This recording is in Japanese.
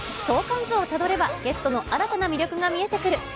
相関図をたどれば、ゲストの新たな魅力が見えてくる。